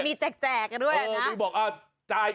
มีแจกกันด้วยนะมันบอกอ่ะจ่าย